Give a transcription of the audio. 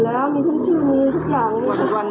เขามีอยู่แล้วมีชื่อนี้ทุกอย่าง